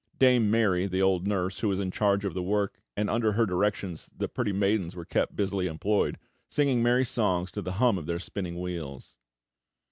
Dame Mary, the old nurse, was in charge of the work, and under her directions the pretty maidens were kept busily employed, singing merry songs to the hum of their spinning wheels.